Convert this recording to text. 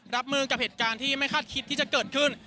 รับมือกับเหตุการณ์ที่ไม่คาดคิดที่จะเกิดขึ้น